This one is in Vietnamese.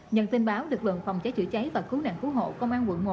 nhân tin báo được lượng phòng cháy chữa cháy và cứu nạn cứu hộ công an quận một